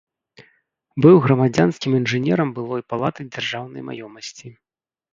Быў грамадзянскім інжынерам былой палаты дзяржаўнай маёмасці.